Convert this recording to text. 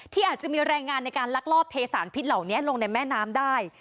อาจจะมีแรงงานในการลักลอบเทสารพิษเหล่านี้ลงในแม่น้ำได้